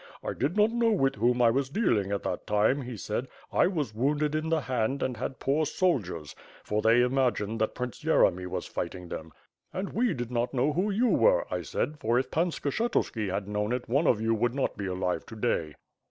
'I did not know with whom I was dealing at that time,' he said, 'I was wounded in the hand and had poor soldiers; for they imagined that Prince Yeremy was fighting WITH FIRE AND SWORD. t^yc^ them.' 'And we did not know who you were/ I said, 'for if Pan Skshetuski had known it, one of you would not be alive to day.'